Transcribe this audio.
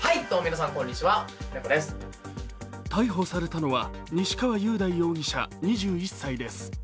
逮捕されたのは西川雄大容疑者２１歳です。